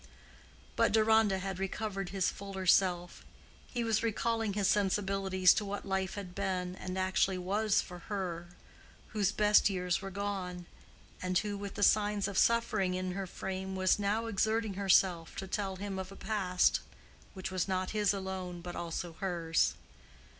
But Deronda had recovered his fuller self. He was recalling his sensibilities to what life had been and actually was for her whose best years were gone, and who with the signs of suffering in her frame was now exerting herself to tell him of a past which was not his alone but also hers.